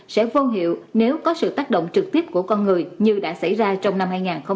sẽ vô hiệu nếu có sự tác động trực tiếp của con người như đã xảy ra trong năm hai nghìn hai mươi ba